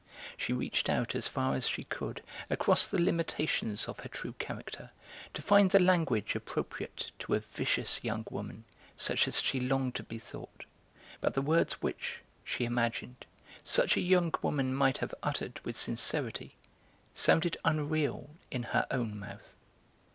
She reached out as far as she could across the limitations of her true character to find the language appropriate to a vicious young woman such as she longed to be thought, but the words which, she imagined, such a young woman might have uttered with sincerity sounded unreal in her own mouth.